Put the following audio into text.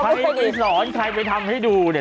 ไข่ไปสอนไข่ไปทำให้ดูเนี่ย